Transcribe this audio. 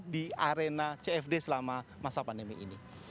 ada yang berjualan di arena cfd selama masa pandemi ini